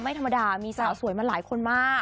ไม่ธรรมดามีสาวสวยมาหลายคนมาก